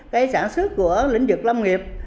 cái sản xuất của lĩnh vực lâm nghiệp